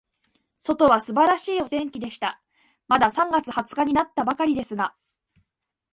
外は素晴らしいお天気でした。まだ三月二十日になったばかりですが、